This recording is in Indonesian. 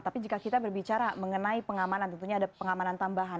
tapi jika kita berbicara mengenai pengamanan tentunya ada pengamanan tambahan